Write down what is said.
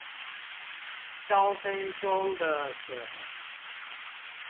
燒杯中的水